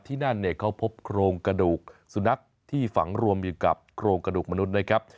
นั่นเนี่ยเขาพบโครงกระดูกสุนัขที่ฝังรวมอยู่กับโครงกระดูกมนุษย์นะครับ